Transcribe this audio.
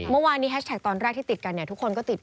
เมื่อวานนี้แฮชแท็กตอนแรกที่ติดกันเนี่ยทุกคนก็ติด